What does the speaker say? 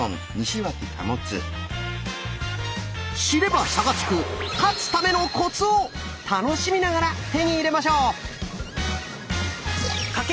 知れば差がつく「勝つためのコツ」を楽しみながら手に入れましょう！